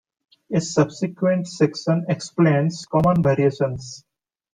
A subsequent section explains common variations.